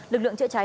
lực lượng chữa cháy